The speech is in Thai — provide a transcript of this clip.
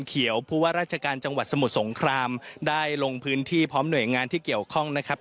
ผู้ว่าราชการจังหวัดสมุทรสงครามได้ลงพื้นที่พร้อมหน่วยงานที่เกี่ยวข้องนะครับ